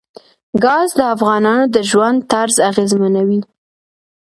ګاز د افغانانو د ژوند طرز اغېزمنوي.